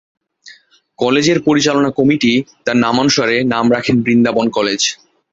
কলেজের পরিচালনা কমিটি তার নামানুসারে নাম রাখেন বৃন্দাবন কলেজ।